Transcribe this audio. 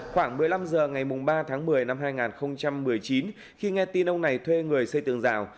khoảng một mươi năm h ngày ba tháng một mươi năm hai nghìn một mươi chín khi nghe tin ông này thuê người xây tường rào